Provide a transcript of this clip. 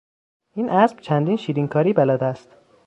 این اسب چندین شیرینکاری بلد است.